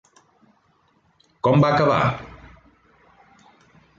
Com va acabar?